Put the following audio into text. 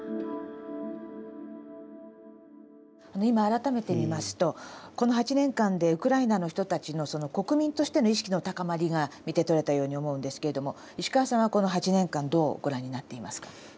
今改めて見ますとこの８年間でウクライナの人たちの国民としての意識の高まりが見て取れたように思うんですけれども石川さんはこの８年間どうご覧になっていますか？